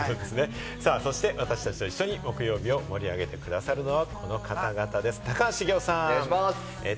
そして、私達と一緒に木曜日を盛り上げて下さるのは、この方たちです。